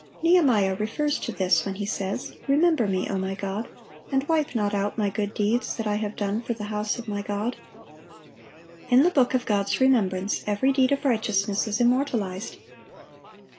Nehemiah refers to this when he says, "Remember me, O my God, ... and wipe not out my good deeds that I have done for the house of my God."(844) In the book of God's remembrance every deed of righteousness is immortalized.